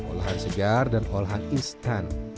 olahan segar dan olahan instan